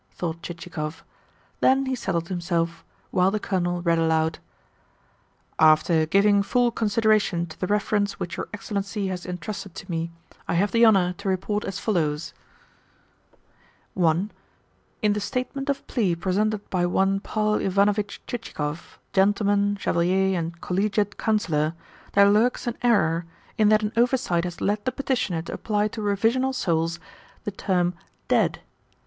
thought Chichikov. Then he settled himself while the Colonel read aloud: "'After giving full consideration to the Reference which your Excellency has entrusted to me, I have the honour to report as follows: "'(1) In the Statement of Plea presented by one Paul Ivanovitch Chichikov, Gentleman, Chevalier, and Collegiate Councillor, there lurks an error, in that an oversight has led the Petitioner to apply to Revisional Souls the term "Dead."